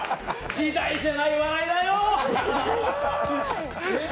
時代じゃない笑いだよ。